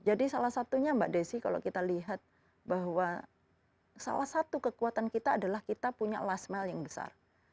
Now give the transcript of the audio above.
jadi salah satunya mbak desi kalau kita lihat bahwa salah satu kekuatan kita adalah kita punya last mile yang besar